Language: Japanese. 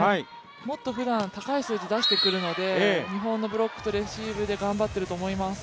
もっとふだん、高い数字出してくるので日本のブロックとレシーブで頑張っていると思います。